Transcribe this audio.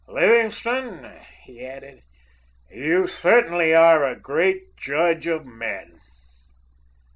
"Livingstone," he added, "you certainly are a great judge of men!"